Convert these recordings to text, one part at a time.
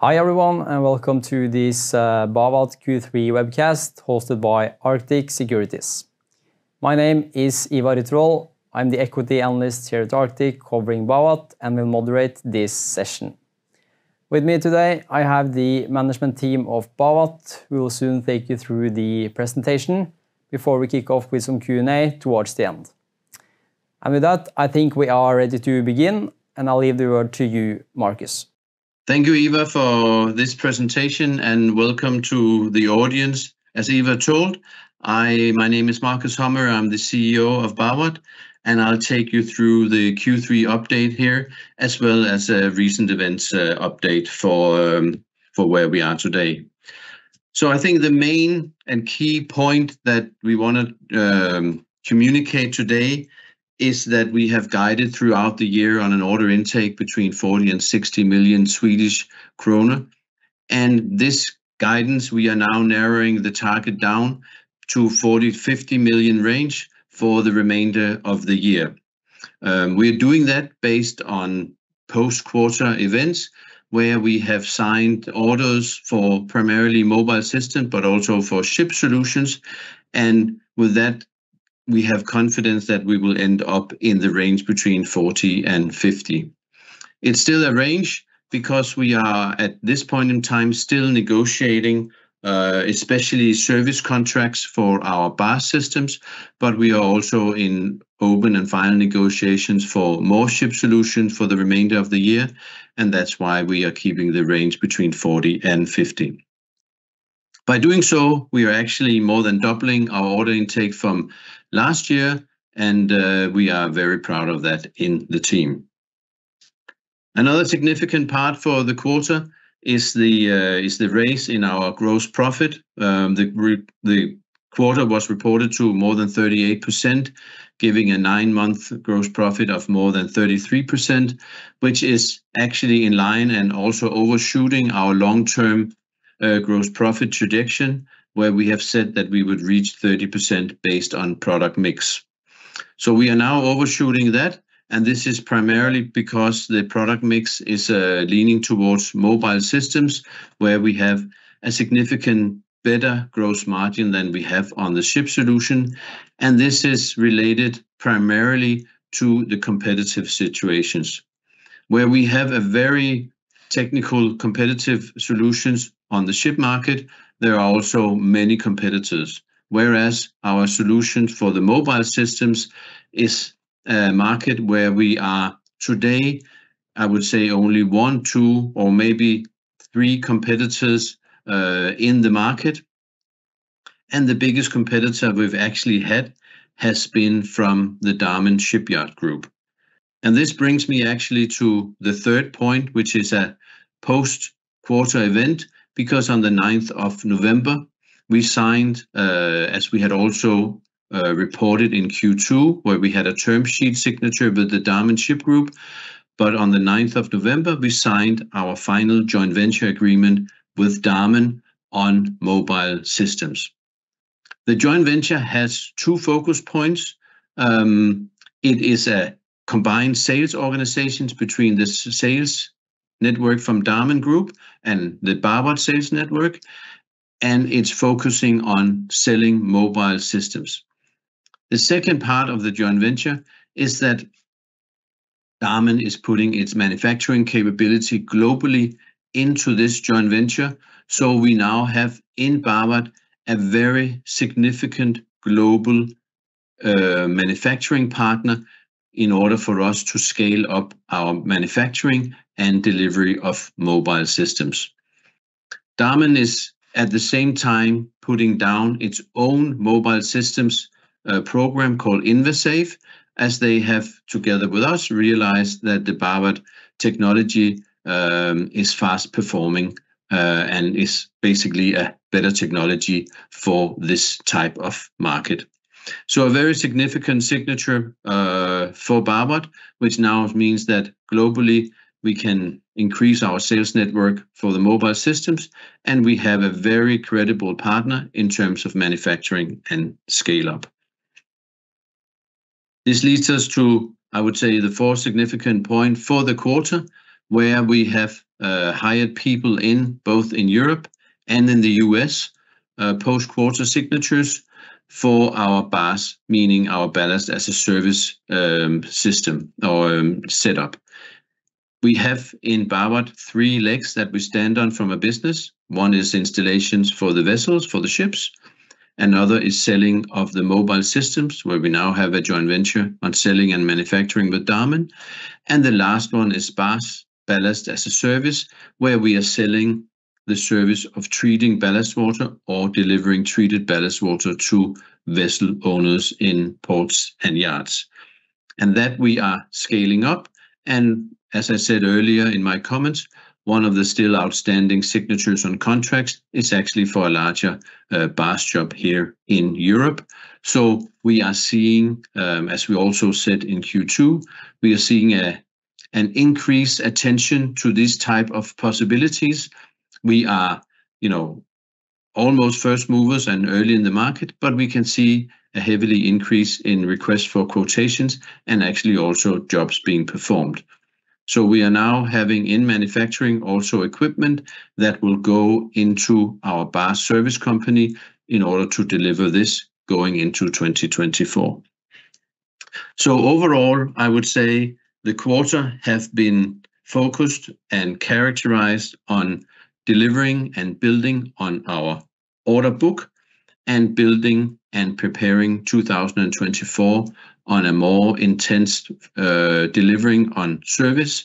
Hi, everyone, and welcome to this Bawat Q3 webcast hosted by Arctic Securities. My name is Ivar Ryttrol. I'm the equity analyst here at Arctic, covering Bawat, and will moderate this session. With me today, I have the management team of Bawat, who will soon take you through the presentation before we kick off with some Q&A towards the end. With that, I think we are ready to begin, and I'll leave the word to you, Marcus. Thank you, Ivar, for this presentation, and welcome to the audience. As Ivar told, my name is Marcus Hummer, I'm the CEO of Bawat, and I'll take you through the Q3 update here, as a recent events update for where we are today. So I think the main and key point that we wanna communicate today is that we have guided throughout the year on an order intake between 40 million and 60 million Swedish krona. And this guidance, we are now narrowing the target down to 40 million-50 million range for the remainder of the year. We are doing that based on post-quarter events, where we have signed orders for primarily mobile system, but also for ship solutions. And with that, we have confidence that we will end up in the range between 40 and 50. It's still a range because we are, at this point in time, still negotiating, especially service contracts for our Bawat systems, but we are also in open and final negotiations for more ship solutions for the remainder of the year, and that's why we are keeping the range between 40 and 50. By doing so, we are actually more than doubling our order intake from last year, and, we are very proud of that in the team. Another significant part for the quarter is the rise in our gross profit. The quarter was reported to more than 38%, giving a nine-month gross profit of more than 33%, which is actually in line and also overshooting our long-term, gross profit projection, where we have said that we would reach 30% based on product mix. So we are now overshooting that, and this is primarily because the product mix is leaning towards mobile systems, where we have a significant better gross margin than we have on the ship solution, and this is related primarily to the competitive situations. Where we have a very technical, competitive solutions on the ship market, there are also many competitors, whereas our solution for the mobile systems is a market where we are, today, I would say only one, two, or maybe three competitors in the market. And the biggest competitor we've actually had has been from the Damen Shipyards Group. And this brings me actually to the third point, which is a post-quarter event, because on the ninth of November, we signed, as we had also reported in Q2, where we had a term sheet signature with the Damen Shipyards Group. But on the ninth of November, we signed our final joint venture agreement with Damen on mobile systems. The joint venture has two focus points. It is a combined sales organizations between the sales network from Damen Group and the Bawat sales network, and it's focusing on selling mobile systems. The second part of the joint venture is that Damen is putting its manufacturing capability globally into this joint venture. So we now have, in Bawat, a very significant global manufacturing partner, in order for us to scale up our manufacturing and delivery of mobile systems. Damen is, at the same time, putting down its own mobile systems, a program called InvaSave, as they have, together with us, realized that the Bawat technology is fast-performing and is basically a better technology for this type of market. So a very significant signature for Bawat, which now means that globally, we can increase our sales network for the mobile systems, and we have a very credible partner in terms of manufacturing and scale-up. This leads us to, I would say, the fourth significant point for the quarter, where we have hired people in both in Europe and in the U.S., post-quarter signatures for our BaaS, meaning our ballast-as-a-service system or setup. We have, in Bawat, three legs that we stand on from a business. One is installations for the vessels, for the ships, another is selling of the mobile systems, where we now have a joint venture on selling and manufacturing with Damen, and the last one is BaaS, ballast-as-a-service, where we are selling the service of treating ballast water or delivering treated ballast water to vessel owners in ports and yards. That we are scaling up, and as I said earlier in my comments, one of the still outstanding signatures on contracts is actually for a larger BaaS job here in Europe. So we are seeing. As we also said in Q2, we are seeing a, an increased attention to this type of possibilities. We are, you know, almost first movers and early in the market, but we can see a heavy increase in requests for quotations and actually also jobs being performed. So we are now having in manufacturing also equipment that will go into our BaaS service company in order to deliver this going into 2024. So overall, I would say the quarter have been focused and characterized on delivering and building on our order book, and building and preparing 2024 on a more intense delivering on service.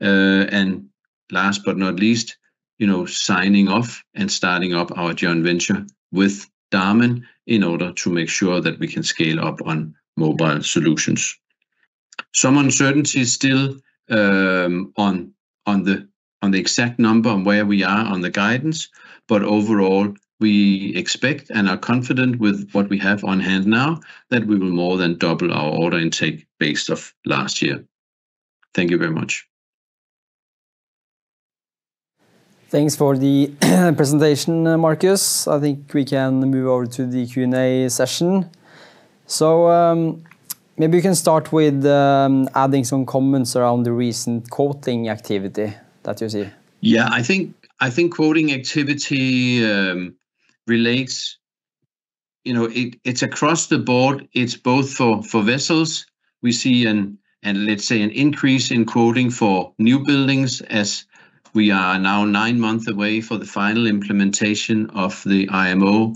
Last but not least, you know, signing off and starting up our joint venture with Damen in order to make sure that we can scale up on mobile solutions. Some uncertainty is still on the exact number on where we are on the guidance, but overall, we expect and are confident with what we have on hand now, that we will more than double our order intake based off last year. Thank you very much. Thanks for the presentation, Marcus. I think we can move over to the Q&A session. Maybe you can start with adding some comments around the recent quoting activity that you see. I think, I think quoting activity relates. You know, it, it's across the board. It's both for, for vessels. We see and let's say, an increase in quoting for new buildings, as we are now nine months away for the final implementation of the IMO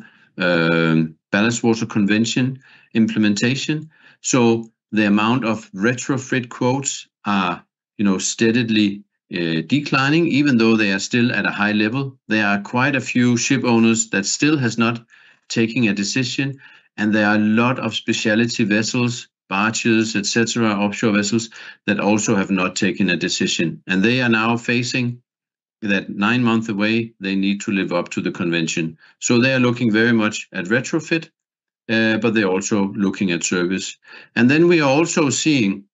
Ballast Water Convention implementation. So the amount of retrofit quotes are, you know, steadily declining, even though they are still at a high level. There are quite a few ship owners that still has not taking a decision, and there are a lot of specialty vessels, barges, et cetera, offshore vessels, that also have not taken a decision. And they are now facing that nine months away, they need to live up to the convention. So they are looking very much at retrofit, but they're also looking at service. And then we are also seeing,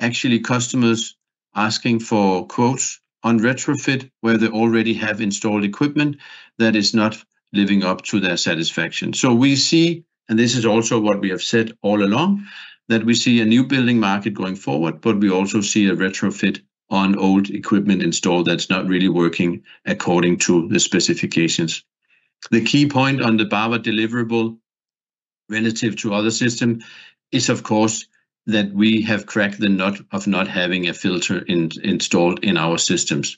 actually, customers asking for quotes on retrofit, where they already have installed equipment that is not living up to their satisfaction. So we see, and this is also what we have said all along, that we see a new building market going forward, but we also see a retrofit on old equipment installed that's not really working according to the specifications. The key point on the Bawat deliverable relative to other system is, of course, that we have cracked the nut of not having a filter installed in our systems.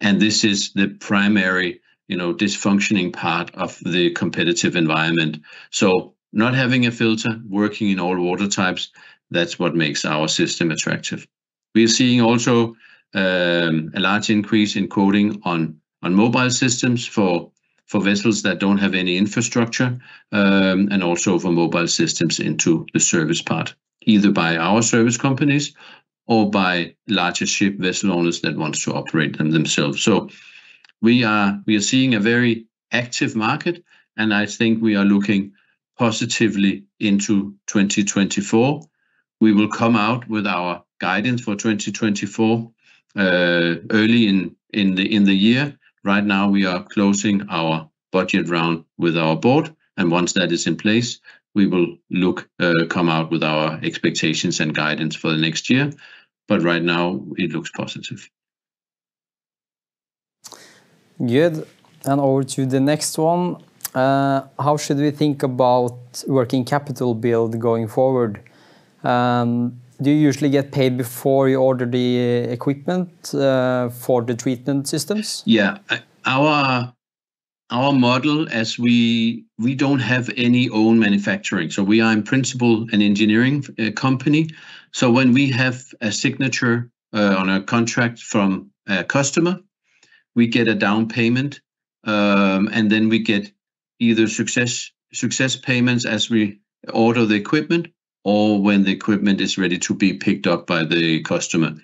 And this is the primary, you know, dysfunctioning part of the competitive environment. So not having a filter, working in all water types, that's what makes our system attractive. We are seeing also a large increase in quoting on mobile systems for vessels that don't have any infrastructure, and also for mobile systems into the service part, either by our service companies or by larger ship vessel owners that wants to operate them themselves. So we are seeing a very active market, and I think we are looking positively into 2024. We will come out with our guidance for 2024 early in the year. Right now, we are closing our budget round with our board, and once that is in place, we will come out with our expectations and guidance for the next year. But right now, it looks positive. Good. Over to the next one, "How should we think about working capital build going forward? Do you usually get paid before you order the equipment for the treatment systems? Our model, as we don't have any own manufacturing, so we are in principle an engineering company. So when we have a signature on a contract from a customer, we get a down payment, and then we get either success payments as we order the equipment or when the equipment is ready to be picked up by the customer.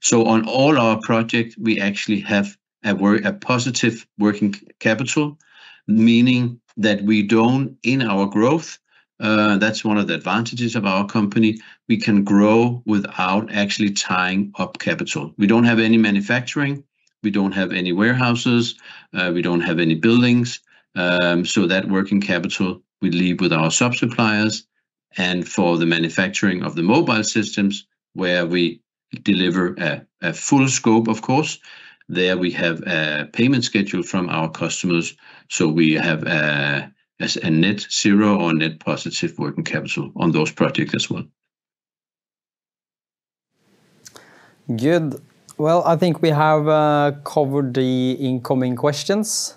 So on all our projects, we actually have a positive working capital, meaning that we don't in our growth. That's one of the advantages of our company, we can grow without actually tying up capital. We don't have any manufacturing, we don't have any warehouses, we don't have any buildings. So that working capital will leave with our sub-suppliers. For the manufacturing of the mobile systems, where we deliver a full scope, of course, there we have a net zero or net positive working capital on those projects. Good. I think we have covered the incoming questions.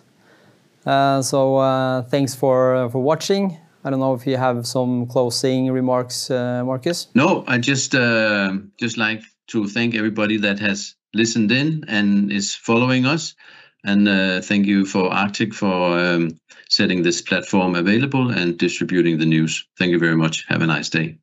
So, thanks for watching. I don't know if you have some closing remarks, Marcus. No, I just like to thank everybody that has listened in and is following us. Thank you for Arctic, for setting this platform available and distributing the news. Thank you very much. Have a nice day.